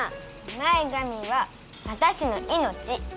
前がみはわたしのいのち。